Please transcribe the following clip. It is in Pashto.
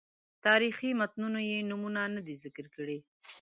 تاریخي متونو یې نومونه نه دي ذکر کړي.